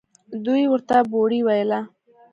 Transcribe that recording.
دوى ورته بوړۍ ويله.